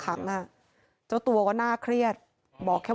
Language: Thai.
พระคุณที่อยู่ในห้องการรับผู้หญิง